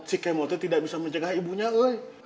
si kemot tuh tidak bisa menjaga ibunya weh